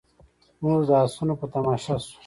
موږ د اسونو په تماشه شوو.